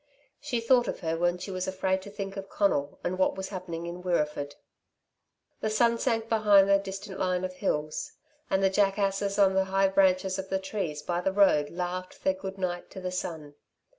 She thought of her when she was afraid to think of Conal and what was happening in Wirreeford. The sun sank behind the distant line of hills, and the Jackasses on the high branches of a tree by the road laughed their good night to the sun.